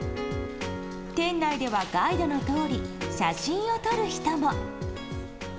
店内ではガイドのとおり写真を撮る人も。